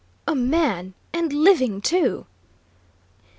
"A man! And living, too!"